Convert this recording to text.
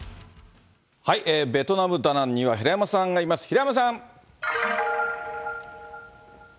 ベトナム・ダナンには平山さんがいます、平山さん。